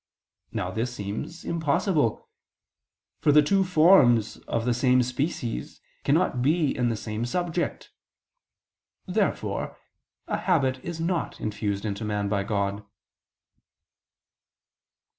Now this seems impossible: for the two forms of the same species cannot be in the same subject. Therefore a habit is not infused into man by God.